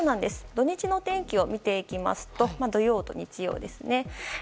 土日の天気を見ていきますと土曜と日曜ですね。